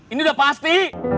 ini udah pasti